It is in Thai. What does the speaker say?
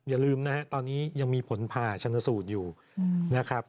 อย่าลืมนะครับตอนนี้ยังมีผลผ่าชนสูตรอยู่นะครับ